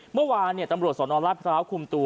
เมื่อวานตัมรถสนรรัฐบราชาวครุมตัว